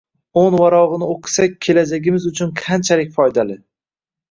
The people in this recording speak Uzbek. O’n varog'ini o'qisak kelajagimiz uchun qanchalik foydali.